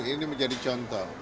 ini menjadi contoh